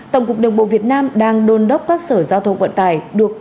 tổng cục đường bộ việt nam đang đôn đốc các sở giao thông vận tài